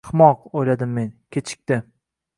“Ahmoq!” – oʻyladim men. Kechikdi!